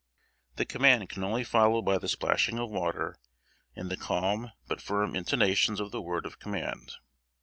The command could only follow by the splashing of water, and the calm but firm intonations of the word of command.